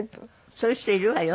そういう人いるわよ。